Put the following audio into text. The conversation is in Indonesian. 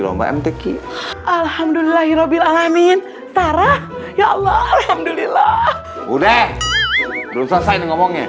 lomba mtq alhamdulillahirobbilalamin tara ya allah alhamdulillah udah selesai ngomongnya